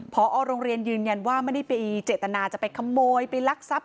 พอโรงเรียนยืนยันว่าไม่ได้ไปเจตนาจะไปขโมยไปลักทรัพย